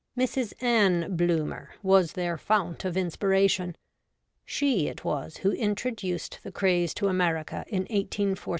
Mrs. Ann Bloomer was their fount of inspiration. She it was who introduced the craze to America in 1 849.